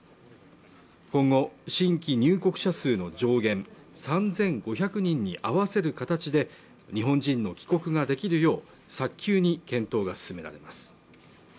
今後新規入国者数の上限３５００人に合わせる形で日本人の帰国ができるよう早急に検討が進められます